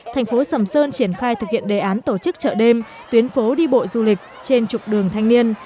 thành phố sầm sơn triển khai thực hiện đề án tổ chức chợ đêm tuyến phố đi bộ du lịch trên trục đường thanh niên